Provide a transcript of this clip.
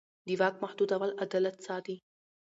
د واک محدودول عدالت ساتي